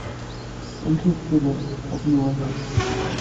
Amek tettiliḍ? - Akken iwata.